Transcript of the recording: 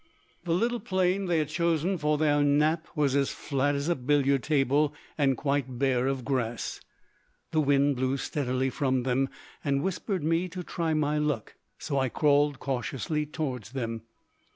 The little plain they had chosen for their nap was as flat as a billiard table and quite bare of grass. The wind blew steadily from them and whispered me to try my luck, so I crawled cautiously toward them.